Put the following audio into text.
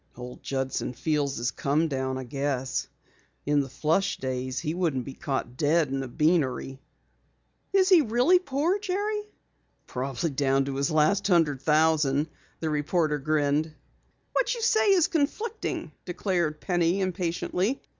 "Old Judson feels his come down I guess. In the flush days he wouldn't be caught dead in a beanery." "Is he really poor, Jerry?" "Probably down to his last hundred thousand," the reporter grinned. "What you say is conflicting," declared Penny impatiently.